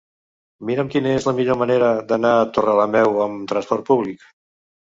Mira'm quina és la millor manera d'anar a Torrelameu amb trasport públic.